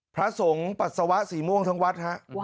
พระสงฆ์ปัสสาวะสีม่วงทั้งวัดฮะ